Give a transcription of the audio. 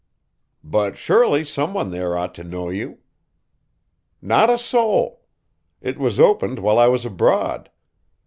"But surely some one there ought to know you." "Not a soul! It was opened while I was abroad.